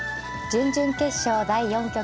準々決勝第４局。